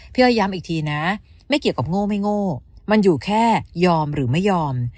อ้อยย้ำอีกทีนะไม่เกี่ยวกับโง่ไม่โง่มันอยู่แค่ยอมหรือไม่ยอม